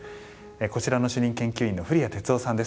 こちらの主任研究員の降矢哲男さんです。